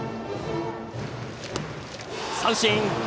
三振。